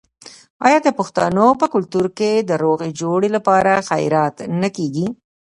آیا د پښتنو په کلتور کې د روغې جوړې لپاره خیرات نه کیږي؟